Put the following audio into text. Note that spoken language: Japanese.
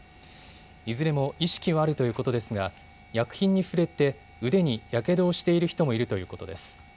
いずれも意識はあるということですが薬品に触れて腕にやけどをしている人もいるということです。